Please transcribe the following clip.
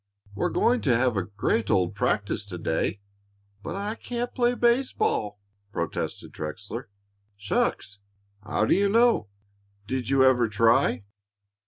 We're going to have a great old practice to day." "But I can't play baseball," protested Trexler. "Shucks! How do you know? Did you ever try?"